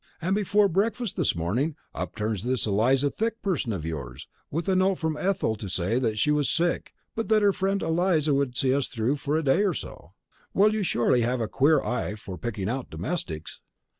And before breakfast this morning, turns up this Eliza Thick person of yours, with a note from Ethel to say that she was sick but that her friend Eliza would see us through for a day or so. Well, you surely have a queer eye for picking out domestics!